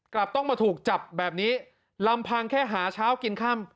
กลับต้องมาถูกจับแบบนี้ลำพังแค่หาเช้ากินค่ำ